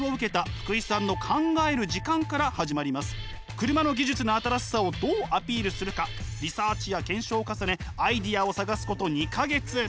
車の技術の新しさをどうアピールするかリサーチや検証を重ねアイデアを探すこと２か月。